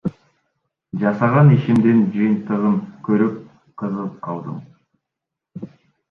Жасаган ишимдин жыйынтыгын көрүп, кызыгып калдым.